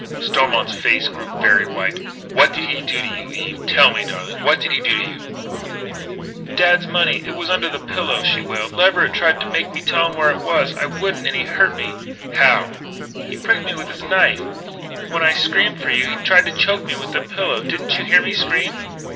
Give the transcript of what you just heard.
Stormont's face grew very white: "What did he do to you, Eve? Tell me, darling. What did he do to you?" "Dad's money was under my pillow," she wailed. "Leverett tried to make me tell where it was. I wouldn't, and he hurt me " "How?" "He pricked me with his knife. When I screamed for you he tried to choke me with the pillow. Didn't you hear me scream?"